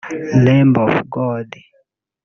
-- Lamb Of God